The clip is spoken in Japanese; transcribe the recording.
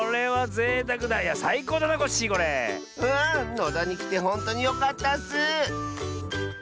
野田にきてほんとによかったッス！